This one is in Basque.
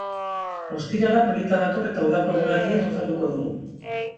Ostirala polita dator eta udako eguraldiaz gozatuko dugu.